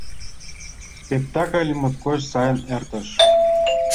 Спектакль моткоч сайын эртыш.